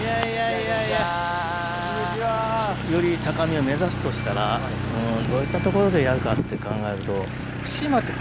より高みを目指すとしたらどういった所でやるかって考えると。